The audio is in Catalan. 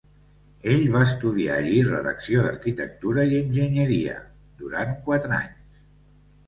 Ell va estudiar allí redacció d'arquitectura i enginyeria durant quatre anys.